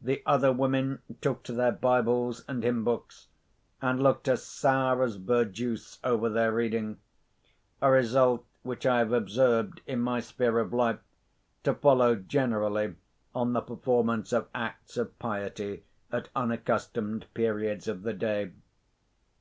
The other women took to their Bibles and hymn books, and looked as sour as verjuice over their reading—a result, which I have observed, in my sphere of life, to follow generally on the performance of acts of piety at unaccustomed periods of the day.